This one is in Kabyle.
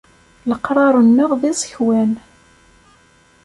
Leqrar-nneɣ d iẓekwan.